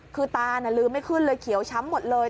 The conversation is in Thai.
คือตาน่ะลืมไม่ขึ้นเลยเขียวช้ำหมดเลย